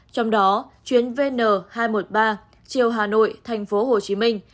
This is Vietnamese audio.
trong đó chuyến vn hai trăm một mươi ba chiều hà nội thành phố hồ chí minh